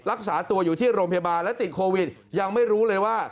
รักษาตัวอยู่ที่โรงพยาบาลและติดโควิดยังไม่รู้เลยว่า